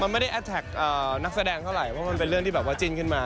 มันไม่ได้แอดแท็กนักแสดงเท่าไหร่เพราะมันเป็นเรื่องที่แบบว่าจิ้นขึ้นมา